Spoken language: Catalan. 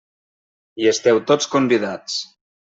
Hi esteu tots convidats!